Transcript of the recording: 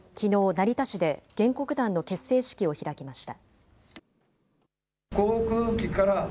成田市で原告団の結成式を開きました。